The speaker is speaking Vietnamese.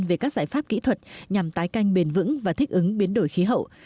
về các giải pháp kỹ thuật nhằm tái canh bền vững và thích ứng biến đổi khí hậu